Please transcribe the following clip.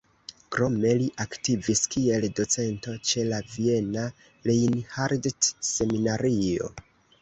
Krome li aktivis kiel docento ĉe la Viena Reinhardt-Seminario.